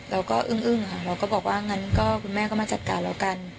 เราก็อึ้งค่ะเราก็บอกว่างั้นคุณแม่ก็มาจัดการแล้วกัน